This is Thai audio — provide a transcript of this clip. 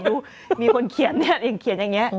มีคนเขียนเนี่ยเองเขียนอย่างนี้